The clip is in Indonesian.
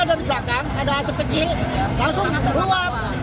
ternyata dari belakang ada asap kecil langsung beruap